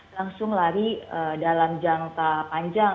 langsung lari dalam jangka panjang